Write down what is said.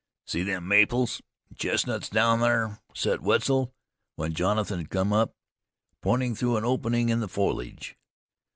"See them maples an' chestnuts down thar," said Wetzel when Jonathan had come up, pointing through an opening in the foliage.